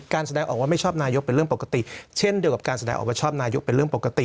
แสดงออกว่าไม่ชอบนายกเป็นเรื่องปกติเช่นเดียวกับการแสดงออกมาชอบนายกเป็นเรื่องปกติ